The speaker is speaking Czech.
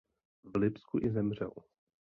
V Lipsku i zemřel.